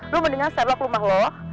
lo mendingan setelah ke rumah lo